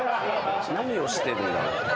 何をしてるんだ？